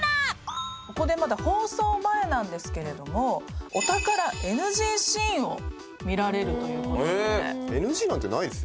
ここでまだ放送前なんですけれどもお宝ＮＧシーンを見られるということなので。